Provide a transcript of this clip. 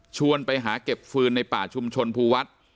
ไปหาเก็บฟืนในป่าชุมชนภูวัด